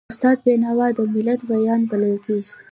استاد بینوا د ملت ویاند بلل کېږي.